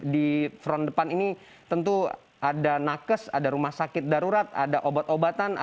di front depan ini tentu ada nakes ada rumah sakit darurat ada obat obatan